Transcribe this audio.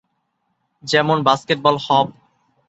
যেমন basketball hop.